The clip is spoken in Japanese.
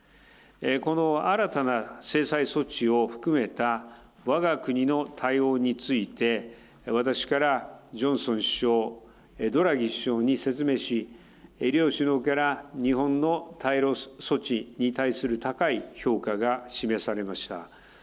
この新たな制裁措置を含めたわが国の対応について、私からジョンソン首相、ドラギ首相に説明し、両首脳から日本の対ロ措置に対する高い評価が示されました。